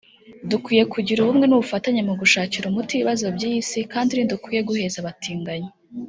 Dukwiye kugira ubumwe n’ubufatanye mu gushakira umuti ibibazo by’iyi Si kandi ntidukwiye guheza abatinganyi